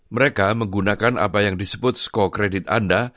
mereka menggunakan apa yang disebut sko kredit anda